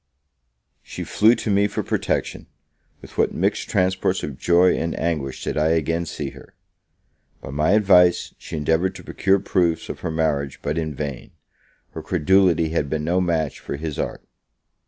She flew to me for protection. With what mixed transports of joy and anguish did I again see her! By my advice, she endeavoured to procure proofs of her marriage but in vain; her credulity had been no match for his art.